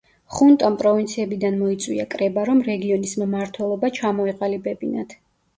ხუნტამ პროვინციებიდან მოიწვია კრება, რომ რეგიონის მმართველობა ჩამოეყალიბებინათ.